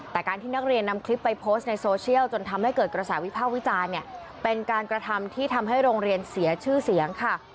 แต่การที่นักเรียนนำคลิปไปโพสต์ในโซเชียลจนทำให้เกิดกระแสวิภาควิจารณ์เนี่ยเป็นการกระทำที่ทำให้โรงเรียนเสียชื่อเสียงค่ะ